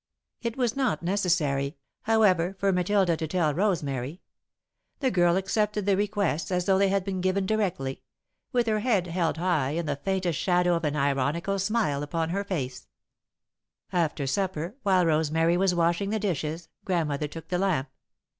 It was not necessary; however, for Matilda to tell Rosemary. The girl accepted the requests as though they had been given directly with her head held high and the faintest shadow of an ironical smile upon her face. [Sidenote: Left in the Dark] After supper, while Rosemary was washing the dishes, Grandmother took the lamp.